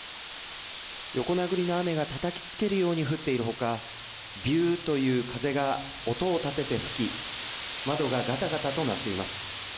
横殴りの雨がたたきつけるように降っているほかびゅーっという風が音を立てて吹き、窓が、がたがたと鳴っています。